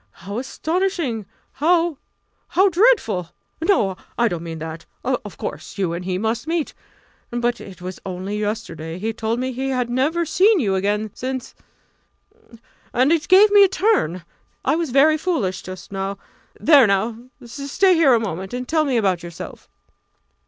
How astonishing how how dreadful! No! I don't mean that. Of course you and he must meet but it was only yesterday he told me he had never seen you again since and it gave me a turn. I was very foolish just now. There now stay here a moment and tell me about yourself."